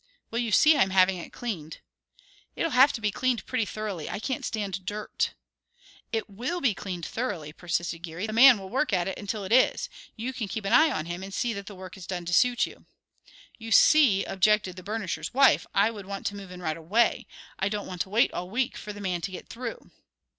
"Well, you see I'm having it cleaned!" "It'll have to be cleaned pretty thoroughly. I can't stand dirt." "It will be cleaned thoroughly," persisted Geary. "The man will work at it until it is. You can keep an eye on him and see that the work is done to suit you." "You see," objected the burnisher's wife, "I would want to move in right away. I don't want to wait all week for the man to get through."